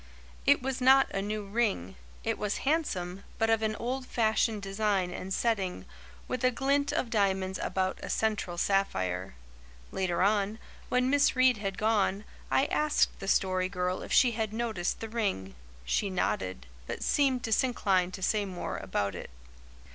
It was not a new ring; it was handsome, but of an old fashioned design and setting, with a glint of diamonds about a central sapphire. Later on, when Miss Reade had gone, I asked the Story Girl if she had noticed the ring. She nodded, but seemed disinclined to say more about it.